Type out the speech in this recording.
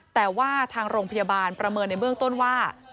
แต่ว่าทางโรงพยาบาลประเมินในเบื้องต้นว่า